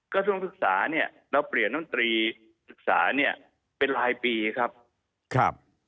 กระทรวงศึกษาเนี่ยเราเปลี่ยนน้ำตรีศึกษาเนี่ยเป็นรายปีครับครับ